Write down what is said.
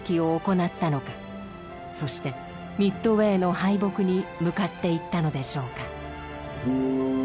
そしてミッドウェーの敗北に向かっていったのでしょうか。